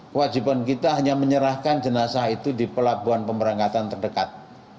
kewajiban kita hanya menyerahkan jenazah itu di pelabuhan pemberangkatan terdekat